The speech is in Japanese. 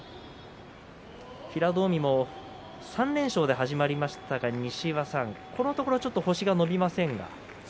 平戸海も３連勝で始まりましたが西岩さん、このところ星が伸びませんが。